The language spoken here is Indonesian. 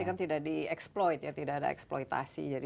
pasti tidak di exploit tidak ada eksploitasi